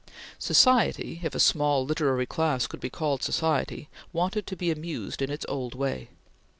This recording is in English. Society, if a small literary class could be called society, wanted to be amused in its old way.